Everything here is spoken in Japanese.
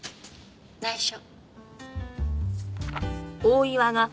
内緒。